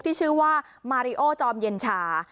ที่ชื่อว่ามาริโอจอมเย็นชา